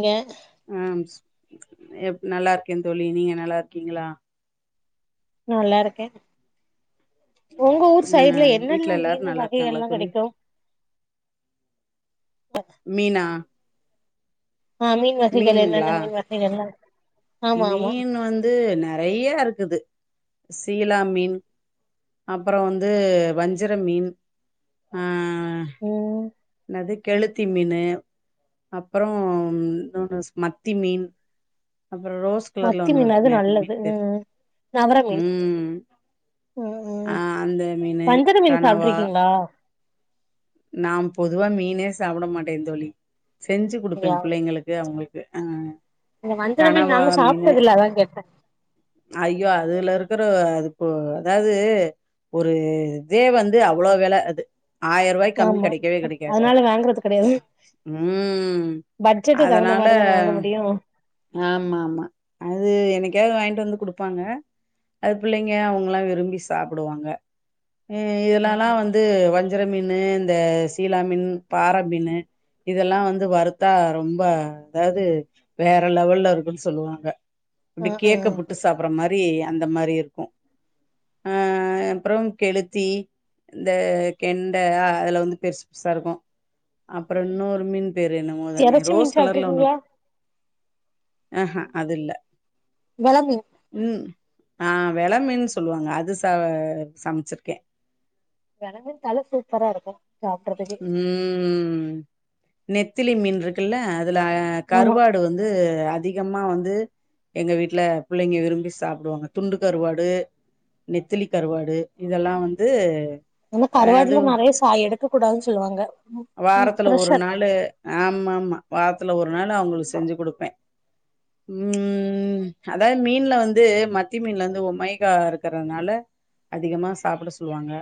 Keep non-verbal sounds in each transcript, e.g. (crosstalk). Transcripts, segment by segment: ங்க ஆ நல்லாருக்கேன் தோழி நீங்க நல்லாருக்கீங்களா நல்லாருக்கே ஒங்க ஊர் ஆ சைடுல என்னெல்ல வீட்ல எல்லாரு மீன் நல்லா இருக்காங்களா வகைகள்லா தோழி கெடைக்கும் மீனா ஆ மீன் வகைகள் மீன்களா என்னன்ன மீன் வகைகள்லா ஆமா ஆமா மீன் வந்து நறையா இருக்குது சீலா மீன் அப்பறோ வந்து வஞ்சர மீன் ஆ அ ம் என்னது கெளுத்தி மீனு அப்பறோ இன்னொன்னு மத்தி மீன் அப்பறோ ரோஸ் கலர்ல மத்தி ஒன்னு மீன் அது இருக்குமே அந்த நல்லது மீன் பேரு ம் நவர மீன் ம் ம் அ ம் அந்த மீனு வஞ்சர மீன் கனவா சாப்ட்ருக்கீங்களா நா பொதுவா மீனே சாப்ட மாட்டேன் தோழி செஞ்சுக் குடுப்பேன் யா பிள்ளைங்களுக்கு அவுங்களுக் கு ஆ இந்த வஞ்சர மீன் கனவா நாங்க மீன் சாப்ட்டதில்ல அதா கேட்ட ஐயோ அதுல இருக்குற அது இப்போ அதாவது ஒரு இதே வந்து அவ்ளோ வெல அது ரூ. கம்மி ஆமா கெடைக்கவே கெடைக்காது அது. அதனால வாங்குறது கெடையாது ம். பட்ஜெட்டுக் தகுந்த மாரிதான வாங்க முடியும் ஆமா ஆமா அது என்னக்காவது வாங்கிட்டு வந்து குடுப்பாங்க அது புள்ளைங்க அவுங்கல்லா விரும்பி சாப்புடுவாங்க ஆ இதுலலா ம் வந்து வந் வஞ்சர மீனு இந்த சீலா மீனு பாற மீனு இதெல்லா வந்து வறுத்தா ரொம்ப அதாவது வேற லெவல்ல இருக்குன் சொல்லுவாங்க ஆ அப்டி ஆ கேக்க புட்டு சாப்புட்ற மாரி அந்த மாரி இருக்கும் அ அப்றோ கெளுத்தி இந்த கெண்ட அதுல வந்து பெருசு பெருசா இருக்கும் அப்பறோ இன்னொரு மீன் பேர் என்னமோ தானே எறச்சி மீன் ரோஸ் கலர்ல ஒன்னு சாப்ட்ருக்கீங்களா ஆஹான் அது இல்ல வெல மீன் ம் ஆ வெல மீன் சொல்வாங்க அது ச சமச்சிருக்கே வெல மீன் தல சூப்பரா இருக்கும் சாப்ட்றதுக்கு ம் நெத்திலி மீன் இருக்குல அதுல ஆமா கறுவாடு வந்து அத் அதிகமா வந்து எங்க வீட்ல பிள்ளைங்க விரும்பி சாப்டுவாங்க துண்டு கருவாடு நெத்திலி கருவாடு இதெல்லா வந்து அந்த கருவாட்ல நறையா சாயோ எடுத் விக்க கூடாதுனு சொல்லுவாங்க ம் வாரத்தில ஒரு ப்ரஷர் நாளு ஆமா ஆமா வாரத்தில ஒர் ஒர் நாலா அவுங்ளுக்கு செஞ்சு குடுப்பே உம் அதா மீன்ல வந்து மத்தி மீன்ல வந்து ஒமைகா இருக்குறனால அதிகமா சாப்ட சொல்வாங்க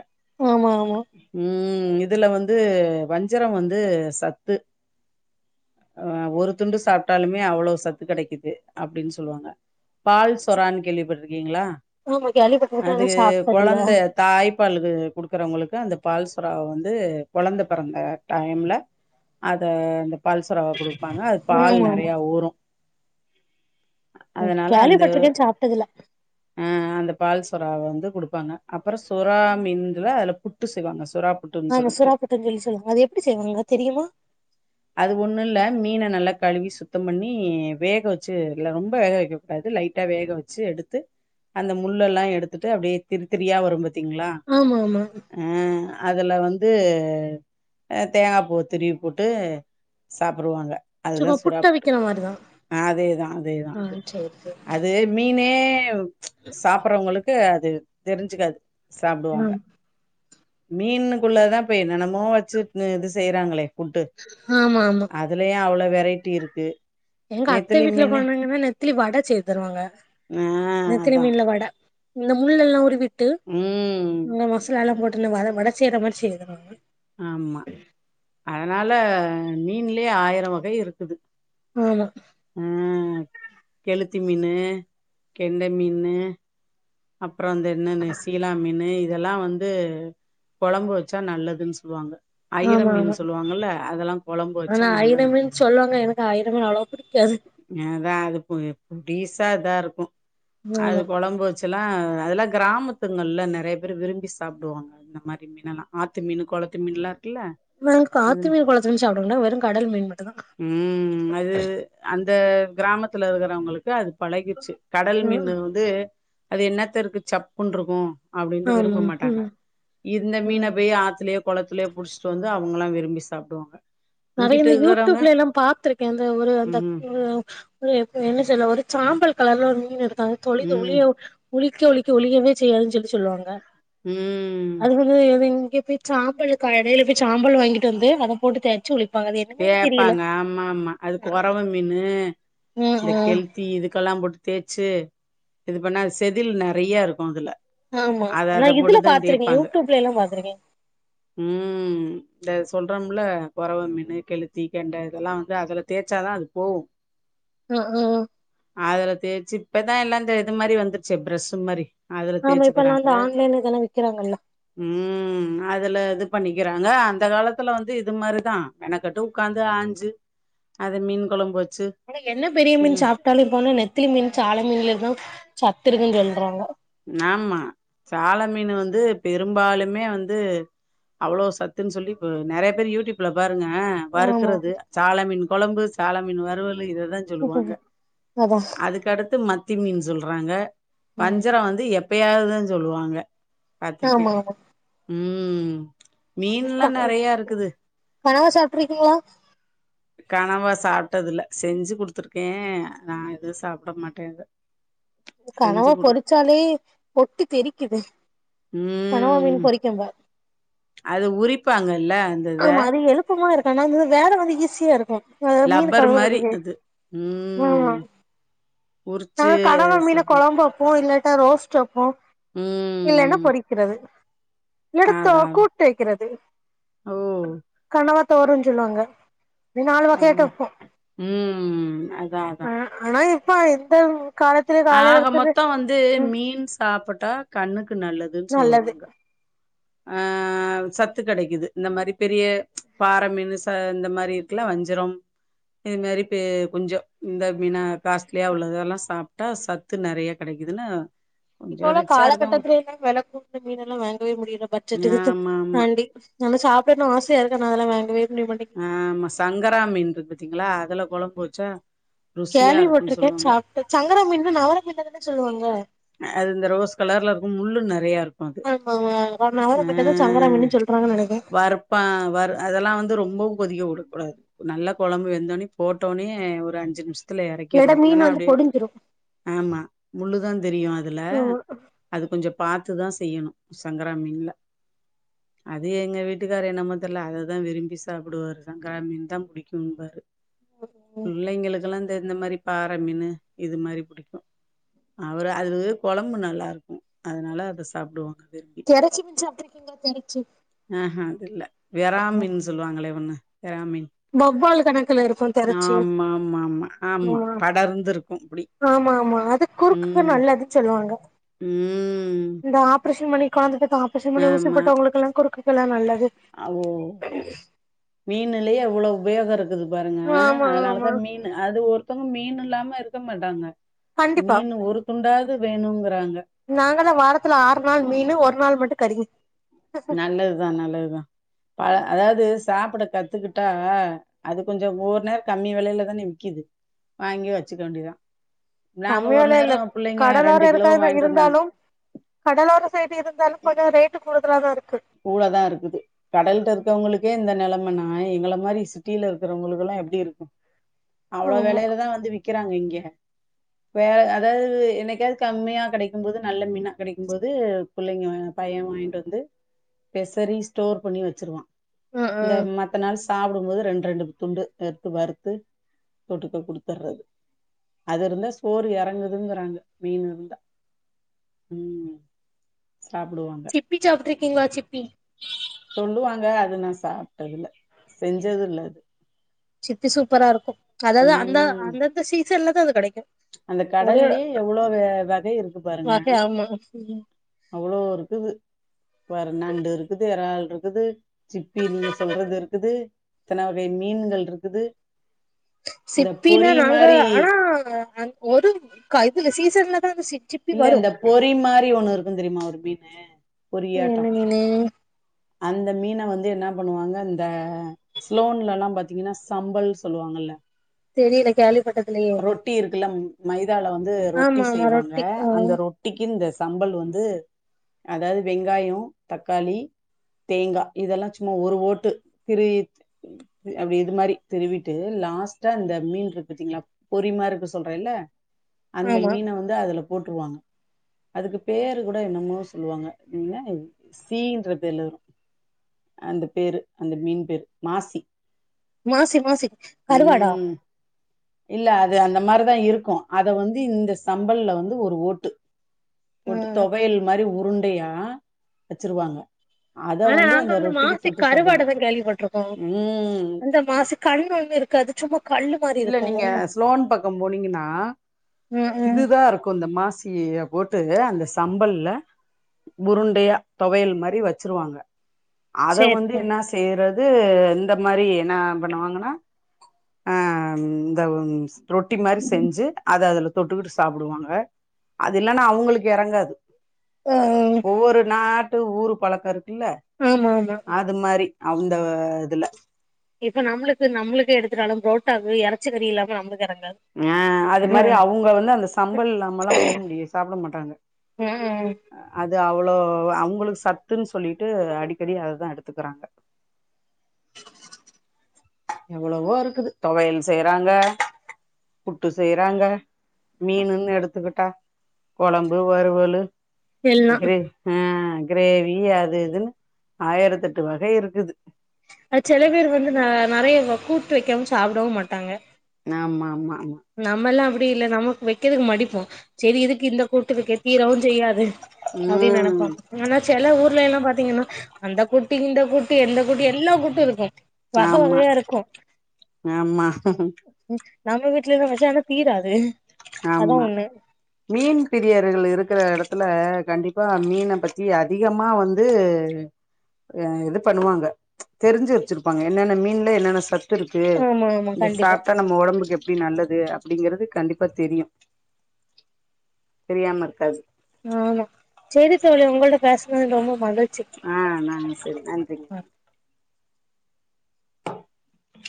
ஆமா ஆமா உம் இருக் இதுல வந்து வஞ்சரோ வந்து சத்து அ ஒரு துண்டு சாப்ட்டாலுமே அவ்லோ சத்து கெடைக்கிது அப்டினு சொல்வாங்க பால் சொரானு கேள்வி பட்டுருக்கீங்ளா ஆமா கேள்விப்பட்டிருக்கே அது ஆனா சாப்ட்டதில்ல கொழந்த தாய்ப்பாலுக்கு குடுக்குறவங்களுக்கு அந்த பால்ஸூரா வந்து கொழந்தப் பிறந்த டைம்ல அத அந்தப் பால்ஸொராவ குடுப்பாங்க அது பால் ஆமா ஆமா நெறையா ஊரூ ம் அதனால அந்த கேள்விப்பட்டிருக்கே சாப்ட்டதில்ல ஆ அந்த பால்சொறா வந் இது குடுப்பாங்க அப்றோ சூறா மின்துல அதுல புட்டு செய்வாங்க சு சுறாப்புட்டுன்னு சொல்லிகிட்டு த்தஞ் சொல்லி சொல்லுவாங்க அது எப்டி செய்வாங்க தெரியுமா அது ஒண்ணு இல்ல மீன நல்லா கழுவி சுத்த பண்ணி வேக வச்சு இல்ல ரொம்ப வேக வைக்க கூடாது லைட்டா வேக வச்சு எடுத்து அந்த முள்ளலா எடுத்திட்டு அப்டியே திருத்திரியா வரும்பத் திங்ளா ஆமா ஆமா ஆ அதுல வந்து அ தேங்காப்பூ திருவி போட்டூ சாப்பிறுவாங்க அதுதா சும்மா புட்டு சுறாப்புட்டு அவிக்கிற மாரிதா ஆ அதேதா அதேதா ஆ அது சேரி சேரி அது மீனே ஹேவ் சாப்பறவுங்ளுக்கு அது தெரிஞ்சுக்காது சாப்டுவாங்க ம் மீனுக்குள்ளதா போய் என்னனாலு மோ வச்சுருந்து இது செய்ய இதாங்களே ஹா அதுலயு அவ்ளோ வெ ரைட்டி இருக்கு எங்க அத்த நெத்திலி வீட்டுல மீனு போனிங்கன்னா நெத்திலி வட சேய்து தருவாங்க ஆ நெத்திலி அதான் மீன்ல வட இந்த முள் எல்லாம் உருவி ட்டு ம் இந்த மசலலான் போ இன்னும் வட வட செய்ற மாறி செய்துருவாங்க ஆமா அதனால ஆஹ் மீன்லே ஆயிரம் வகை இருக்குது ஆமா ஆ கெளுத்தி மீனு கெண்ட மீனு அப் அப்புறம் அந்த இன்னொன்னு சீலா மீனு இதெல்லாம் வந்து கொளம்பு வச்சா நல்லதுன்னு சொல்லுவாங்க ஐயிர ஆமா ஆமா மீன் சொல்லுவாங்கல்ல அதெல்லாம் கொழம்பு வச்சா ஆனா ஐர நல்லது மீன் சொல்லுவாங்க எனக்கு ஐர மீன் அவ்ளோ பிடிக்காது எ பீசா தார்ருக்கு அது ஆமா குலம்பு வெச் ஆ அதெல்லா கிராமத்துங்களல நறைய பேரு விரும்பி சாப்டுவாங்க அந்த மாரி மீல்லா ஆத்து மீன் குளத்து மீன்ல்ல வெங்க்கு ஆத்து மீன் குளத்துலன்னு சாப்படுங்கன்னா வெறு கடல் மீன் மட்டு்தா ம் அது அந்த கிராமத்துல இருக்குறவங்களுக்கு அது பலகிடுச்சு கடல் ம் மீன் வந்து அது என்னத்த இருக்கு சப்புன்னு இருகோ அப்டின்ட்டு ஆமா விரும்ப மாட்டாங்க ம் இந்த மீனை ம் போய் ஆத்தலயே குளத்திலோ புடிச்சிட்டு வந்து அவங்கல்லா விரும்பி சாப்டுவாங்க நறய இங்கிட்டு இந்த யூ இருக்கிறவங்க டியூப்ல எல்லா பாத்திருகே அந்த ஒரு அந்த ம் இல்ல எப்ப என்ன சொல்ல ஒரு சாம்பல் கலர்ல ஒரு மீன் இருக் அ தொளிது ம் ஒளியோ ஒலிக்க ஒலிக்க ஒலியவே செய்யாதுன்னு சொல்லி சொல்லுவாங்க ம்ம் ய் போய் சாம்பல் இடையில போய் சாம்பல் வாங்கிட்டு வந்து அத போட்டு டே சொல் கேபாங்க ஆமா ஆமா அது குறவு மீனு ம் இந்த ம் கெலத்தி இதுக்கெல்லா போட்டு தேச்சு இது பண்ணா செதில் நறைய இருகோ அதுல ஆமா அத ஆனா அத இதுல போட்டுதா பாத்துருக்கே யூ தேய்ப்பாங்க டியூப்ல எல்லா பாத்துருக்கே ம் இந்த சொல்றோம்ல குறவ மனு கெ கெலித்தி கெண்ட இதெல்லா வந்து அதுல தேச்சாதா அது போகு ஆ ஹ ம் அதுல தேச்சு இப்பதா எல்லா இது மாரி வந்துருச்சே பிர்ஷு மாரி அதுல ஆமா இப்பல்லா தேச்சுகிறாங்க அந்த ஆன்லைன்ல இதெல்லா விக்கிறாங்கல்ல உம் அதுல இது பண்ணிக்கிறாங்க அந்த காலத்துல வந்து இது மாரிதா எனக் ட்டு உக்காந்து ஆஞ்சு அத மீன் கொழம்பு வச் ஆனா என்ன பெரிய மீன் சாப்ட்டாலு இருப்போனு நெத்திலி மீன் சால மீன்ல இர் னு சத்துருக்குன்னு சொல்றாங்க நாமா சால மீனு வந்து பெரும்பாலுமே வந்து அவ்ளோ சத்துன்னு சொல்லி ப நறைய பேரு யூ டியூப்ல பார் ங்க வறுக்கறது ஆமா சால மீன் கொழம்பு சாலமீன் வறுவல் (unintelligible) இததா சொல்லுவாங்க அதா அதுக்கடுத் மத் தந்தி மீன் சொல்றாங்க ம் து எப்பயாவது தா சொல்லுவாங்க பாத்துருக்கே ஆமா ஆமா ம் ம் (inaudible) கனவா சாப்ட்ருக்கீங்களா கனவா சாப்டதுல்ல, செஞ்சு குடுத்துருக்கே, நா எதுவு சாப்ட மாட்டே இத. கனவா பொறிச்சாலே பொட்டி தெறிக்கிது. ம் அது உரிப்பாங்க ஆமா அது எழுப்பமாருக் ஆனா வந்து வேல வந்து ஈஸியா இருக்கு. அது மீன் லப்பர் மாரி கழுவுறதுக்கு அது ஆமா ம் உரிச்சு நாங்க கனவா மீன சாப்டுவாங் கொழம்பு வெப்போ இல்லாட் த ரோஸ்ட் வெப்போ இல்லன்னா ம் பொறிக்கிறது. எடுத்தோ அதா அதா கூட்டு வெய்க்கிறது ஓ கனவத் தோரோன் சொல்லுவாங்க. இப்டி நாலு வகையாட்ட வந்து வப்போ ம் அதா அதா போய்ந் தெம் ஆக மொத்தோ வந்து மீன் சாப்புட் டா கண்ணுக்கு ணுக்கு நல்லதுன் நல்லது சொல்லுவாங்க அ சத்து கடைக்குது இந்த மாரி பெரிய பாற மீனு ச இந்த மாரி இருக்குல்ல வஞ்சரோம் இத்மேரி பெ கொஞ்ஜோ இந்த மீன்னா காஸ்ட்லியா உள்ளதெல்லா சாப் டா சத்து நெறைய கெடைக்குதுன்னு இப்போ கொஞ்சோ உள்ள ரிச்சா இருக்கவங்க காலகட்டத்துல எல்லா வெல குடுத்த மீனெல்லா வாங்கவே முடியா ஏ பட்ஜெட்டுக்குற்துக் ஆமா ஆமா ஆண்டி நல்ல சாப்பிடணு ஆசயா இருக்கு ஆனா அதெல்லா வாங்கவே முடிய மாட்டேங்குது ஆமா, சங்கராமீன்றுகு தீங்க்ளா அதுலப் கேள்விபட்ருக்கே, சொல்லுவாங்க சாப்டு சங்கராமீன நவரா மீன்தானேங்க சொல்லுவாங்க அது இந்த ரோஸ் கலர்ல இருக்கு முள்ளு நெறய இருக் அது ஆமாமா நவர மீனதா சங்கரா ஆஹ் மீன்னு சொல்றாங்கன் நெனைக்கே வறுப்பா வறு, அதெல்லா வந்து ரொம் ரொம்பவு கொதிக்க விடக்கூடாது நல்ல கொழம்பு வெந்தோனே, போட்டோனே, ஒரு அஞ்சு நிம்ஷ த்துல இல்லாட்டா எறக்கிட்ணு மீன் இல்லன்னா வந்து அப்டியே பொடிஞ்சிரு ஆமா முல்லுதான் தெரியு அதுல ஆமா அது கொஞ்சொ பாத்துதா ஸ் செய்யணு சங்கரா மீன்ல அது எங்க வீட்டுக்கார என்னமோ தெர்ல அததா விரும்பி சாப்பிடுவாரு சங்கரா மீன் தா பிடிக்கும்பாரு பிள்ளைங்களுக்குல்லா இந்த இந்த மாரிப் பாற மீனு இது மாரி புடிக்கு அவறு அது கொழம்பு நல்லாருக்கு அதுனால அத சாப்டுவாங்க விரும்பி தெரச்சி மீன் சாப்ட்ருக்கீங்களா தெரச்சி ஆஹ்ஹ அது இல்ல வெராமின்னு சொல்லுவாங்களே ஒண்ணு வெறா மீன் வவ்வால் கணக்குல இருக்கு தெரச்சு ஆமாமாமா. ஆமா. ஆமா படர்ந்து இருக்கும் இப்டி. ஆமா ஆமா அது குரு க்குஹ் ம். நல்லது சொல்லுவாங்க ம் இந்த ஆப்ரேஷன் பணி காந்சது ப்போ ஆப்ரேசன் பண்ணி ஆமா. ஊசிப்போட்டவங்களுக்கெல்லா குறுக்குகெல்லா நல்லது மீனுலேயே அவ்ளோ உபயோக இருக் குது பாருங்க ஆமா அதனாலதா ஆமா மீன் அது ஒருத்தவங்க மீன் இல்லாம இருக்க மாட்டாங்க மீனு ஒரு துண்டா து வேணுங்குறாங்க நாங்கெல்லா வாரத்துல ஆறு நாள் மீனு ஒர் நாள் மட்டு கறி நல்லதுதான் நல்லதுதான் பல அதாவது சாப்பட கத்துக்கிட்டா ஆ அது கொஞ்சோம் மொர்னர் கம்மி விலையில தானே விக்கிது வாங்கி வச்சுக்க வேண்டியதான் நாங்க ஒரு கம்மிவில இல்ல நேரம் பிள்ளைங்க கடலோரம் கிலோ இருக்க வாங்கிட்டு வந்தாங்க. இருந்தாலும் கடலோர சைடு இருந்தாலும் கொஞ்சோ ரேட்டு கூ டதான் இருக்கும் கூட தான் இருக்குது கடலிட்ட இருக்கவங்களுக்கு கே இந்த நிலமனா எங்கள மாரி சிட்டியில இருக்கிறவங்களுக்குல்லாம் எப்டி இருக்கும் அவ்ளோ ஆமா வேலையிலதான் வந்து விக் விக்கிறாங்க இங்க வேற அதாவது என்னைக்காவது கம்மியா கிடைக்கும்போது நல்ல மீன்னா கிடைக்கும்போது பிள்ளைங்க பையனும் வாங்கிட்டு வந்து பெசரி ஸ்டோர் பண்ணி வச்சிருவான் ம் இந்த ம் மத்த நாள் ஸ் சாப்படும்போது ரெண்டு ரெண்டு துண்டு எடுத்து வறுத்து தொட்டுக்க குடுத்துடுறது அது இருந்தா சோறு இறங்குதுங்கிறாங்க மீன் இருந்தா உம் சாப்பிடுவாங்க ங்களாசிப்பி சொல்லுவாங்க அது நா சாப்பிட்டதுல செஞ்சது இல்ல அது சிப்பி சூப்பரா இருக்கும் அதாவது அந்த ம் அந்தந்த சி சன்ல்ல அது கெடைக் அந்த கடல்லயே எவ்வளோ வகை இருக்கு பாருங்க வகை ஆமா ம் அவ்வளோ இருக்குது பாரு நண்டு இருக்குது ஏறள் இருக்குது சிப்பி நீங்க சொல்றது இருக்குது இத்தன வகை மீன்கள் இருக்குது இந்த சிப்பினா பொறி நாங்க மாரி ஆனா அந் ஒரு க இதுல சீசன்லதான் அது சிக் இல்ல இந்த பொறி மாரி ஒண்ணு இருக்கு தெரியுமா ஒரு மீட் அ அது பொரியாட்ட என்ன மீனு அந்த மீனை வந்து என்ன பண்ணுவாங்க இந்த ஸ்லோன்லல்லாம் பாார்த்தீங்கன்னா சம்பல் சொல்லுவாங்கல தெரியல கேள்விப்பட்டதில்லயே ரொட்டி இருக்குல மைதால வந்து ரொட்டி ஆமா ஆமா செய்வாங்க ரொட்டி அ ஆ அந்த ரொட்டிக்கு இந்த சம்பல் வந்து அதாவது வெங்காய தக்காளி தேங்கா இதெல்லா சும்மா ஒரு ஓட்டு திருவி அப்படி இது மாரி திருவிட்டு லாஸ்ட்டா அந்த மீன் இருக்குதிங்களா பொரிமாரி இருக்கு சொல்றேல்ல அந்த ஆமா மீனை வந்து அதுலப் போட்டுருவாங்க அதுக்கு பேரு கூட என்னமோ சொல்லுவாங்க சீன்னா சீன்றபேருல வரும் அந்த பேரு அந்த மீன் பேரு மாசி மாசி மாசி கறுவாடா ம் இல்ல அது அந்த மாரிதான் இருக்கும் அத வந்து இந்த சம்பல்ல வந்து ஒரு ஓட்டு ஆ போட்டு ஆ தொவையல் மாரி உரு உண்டையா வச்சிருவாங்க அத ஆனா நாங்க அந்த வந்து ரொட்டிக்கு மாசிக் தொட்டு சாப்டுவாங்க கருவாடுதா கேள்விப்பட்டிருக்கோம் ம் அந்த மாசி கண்ணொண்ணு இருக்காது சும்மா கல்லு மாரி இருக் இல்ல நீங்க ஸ்லோன் பக்கம் போனிங்கனா ம் ம் இதுதாருக்கும் இந்த மாசிய்ய போட்டு அந்த சம்பல்ல உருண்டையா தொவையல் மாரி வச்சிருவாங்க அத சேரி வந்து சேரி என்னா செய்றத் து இந்த மாரி னா பண்ணுவாங்கனா ஆ இந்த உ ரொட்டி மாரி செஞ்சு அத அதுல தொட்டுகிட்டு சாப்புடுவாங்க அது இல்லன்னா அவுங்களுக்கு எறங்காது ஆ ஒவ்வொரு நா டு ஊரு பழக்கருக் இல்ல ஆமா ஆமா அது மாரி அவுந்த இதுல ரோட்டாக்கு எறச்சக்கறி இல்லாம நம்முது எறங்க அ அது மாரி அவுங்க வந்து அந்த சம்பல் இல்லாமல்லாம் போமுடிய சப்ட மாட்டாங்க ம் ம் அது அவள் ளோ அவுங்களுக் சத்துன்னு சொல்லிட்டு அடிக்கடி அததான் எடுத்துக்கறாங்க எவ்வளவோ இருக்குது தொவையல் செய்றாங்க புட்டு செய்றாங்க மீனுன்னு எடுத்துக்கிட்டா கொழம்பு வறுவலு எல்லா க்ரே ஆ க்ரேவி அது இதுன்னு ஆயிரதெட்டு வகையிருக்குது அ செல பேர் வந்து ந நெறைய கூட்டு வைக்காம சாப்டவும் மாட்டாங்க ஆமா ஆமா ஆமா நம்மல்லா அப் பி இல்ல நமக் வெக்கதுக் மடிப்போம் செரி இதுக் இந்த கூட்டுருக்கே தீரவும் செய்யாது அப்டின் நெனப்போம் ம் ஆனா செல ஊர் வெல்லா பாத்திங்கன்னா அந்த கூட்டு இந்த கூட்டு எந்த கூட்டு எல்லா கூட்டும் இருக்கும் வக ஆமா வகயாரிக்கும் ஆமா நம்ம வீட் வீட்லதா வெஷொ ஆனா தீராது அதா ஆமா ஒண்ணு மீன் பிரியர்கள் இருக்குற எடத்துல கண்டிப்பா மீன பத்தி அதிகமா வந்து அ இது பண்ணுவாங்க தெரிஞ்சி வெச்சிருப்பாங்க என்னென்ன மீன்ல என்னென்ன சத் ட்டுருக்கு ஆமா ஆமா இந்த கண்டிப்பா சாப்டா நம்ம ஒடம்புக் எப்டி நல்லத் து அப்டிங்குறது கண்டிப்பா தெரியு தெரியாமருக்காது ஆமா செரித்தோழி உங்கள்ட்ட பேசுனத் ரொம்ப மகிழ் ஆ நான் செரி நன்றிங்க